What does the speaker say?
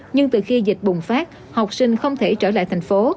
nhưng từ khi dịch bùng phát học sinh không thể trở lại thành phố